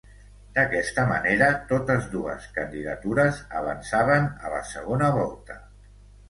D'aquesta manera, totes dues candidatures avançaven a la segona volta.